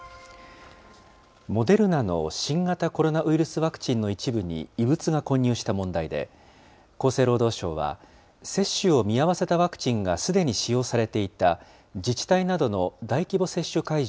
モデルナの新型コロナウイルスワクチンの一部に、異物が混入した問題で、厚生労働省は、接種を見合わせたワクチンがすでに使用されていた自治体などの大規模接種会場